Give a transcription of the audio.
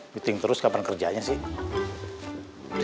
meeting terus kapan kerjanya sih